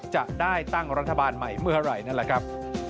จะได้ตั้งรัฐบาลใหม่เมื่อไหร่นั่นแหละครับ